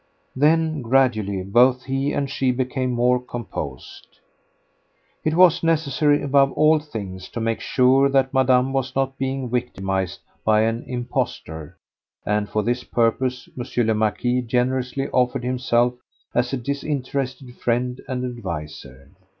Then, gradually, both he and she became more composed. It was necessary above all things to make sure that Madame was not being victimized by an impostor, and for this purpose M. le Marquis generously offered himself as a disinterested friend and adviser.